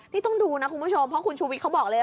นี่ต้องดูนะคุณผู้ชมเพราะคุณชูวิทย์เขาบอกเลย